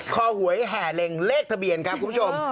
หวยแห่เล็งเลขทะเบียนครับคุณผู้ชม